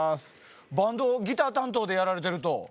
バンドギター担当でやられてると。